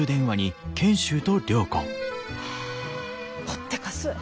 ぽってかす。